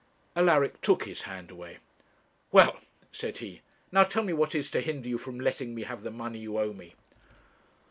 Alaric took his hand away. 'Well,' said he, 'now tell me what is to hinder you from letting me have the money you owe me?'